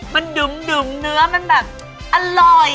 มันดุมเนื้อมันแบบอร่อย